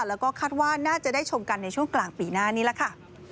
แล้วก็คาดว่าน่าจะได้ชมกันในช่วงกลางปีหน้านี้ล่ะค่ะ